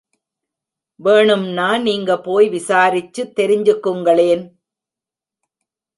வேணும்னா நீங்க போய் விசாரிச்சு தெரிஞ்சுக்குங்களேன்.